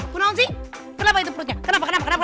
bu naunsy kenapa itu perutnya kenapa kenapa kenapa